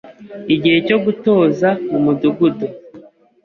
Igihe cyo gutoza mu Mudugudu